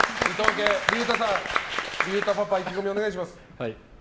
パパ、意気込みお願いします。